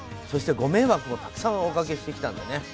そしてご迷惑もたくさんおかけしてきましたのでね。